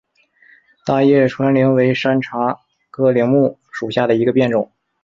大叶川柃为山茶科柃木属下的一个变种。